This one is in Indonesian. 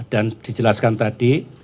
dan dijelaskan tadi